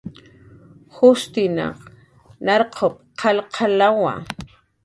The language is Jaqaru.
" jushtinan nayrp"" qalay qalawa"